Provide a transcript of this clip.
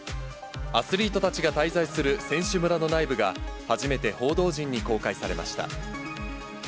アスリートたちが滞在する選手村の内部が初めて報道陣に公開されました。